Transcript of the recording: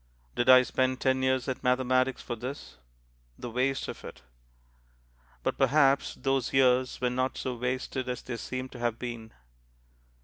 Did I spend ten years at mathematics for this? The waste of it! But perhaps those years were not so wasted as they seem to have been.